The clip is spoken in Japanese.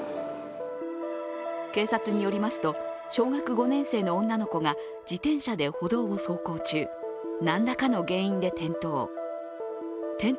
警察によりますと、小学５年生の女の子が自転車で歩道を走行中、何らかの原因で転倒。